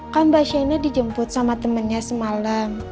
kan mbak shena dijemput sama temennya semalam